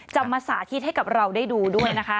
จะมาสาธิตให้กับเราได้ดูด้วยนะคะ